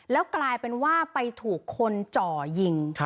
แล้วกลายเป็นว่าไปถูกคนจ่อยิง